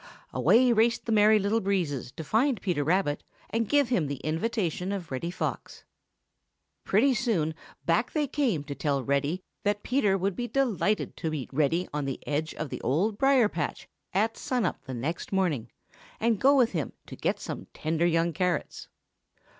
Away raced the Merry Little Breezes to find Peter Rabbit and give him the invitation of Reddy Fox. Pretty soon back they came to tell Reddy that Peter Rabbit would be delighted to meet Reddy on the edge of the Old Briar patch at sun up the next morning, and go with him to get some tender young carrots.